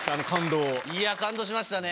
いや感動しましたね。